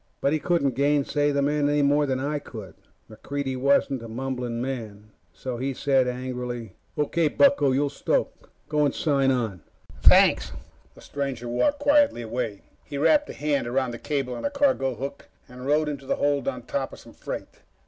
But he couldn't gainsay the man any more than I could. MacReidie wasn't a mumbling man, so he said angrily: "O.K., bucko, you'll stoke. Go and sign on." "Thanks." The stranger walked quietly away. He wrapped a hand around the cable on a cargo hook and rode into the hold on top of some freight.